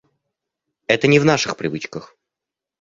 Это не в наших привычках.